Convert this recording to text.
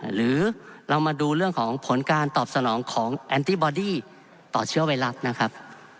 หรือเรามาดูเรื่องของผลการตอบสนองของแอนตี้บอดี้ต่อเชื้อไวรัสนะครับ